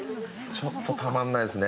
ちょっとたまんないですね。